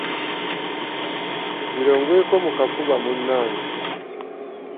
Gira ongweko mu kafuba munnange.